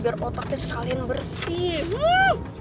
biar otaknya sekalian bersih